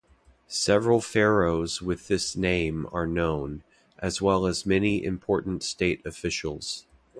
Several pharaohs with this name are known, as well as many important state officials.